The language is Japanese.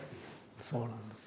そうなんですね。